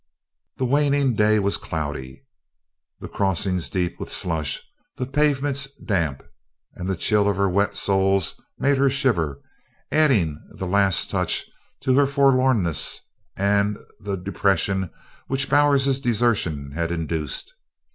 The waning day was cloudy, the crossings deep with slush, the pavements damp, and the chill of her wet soles made her shiver, adding the last touch to her forlornness and the depression which Bowers's desertion had induced.